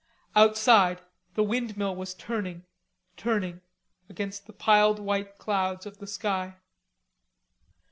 Outside the windmill was turning, turning, against the piled white clouds of the sky.